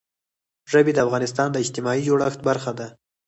ژبې د افغانستان د اجتماعي جوړښت برخه ده.